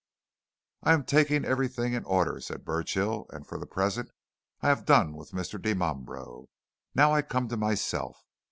"I am taking everything in order," said Burchill. "And for the present I have done with Mr. Dimambro. Now I come to myself.